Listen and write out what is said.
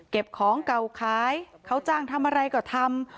ของเก่าขายเขาจ้างทำอะไรก็ทำ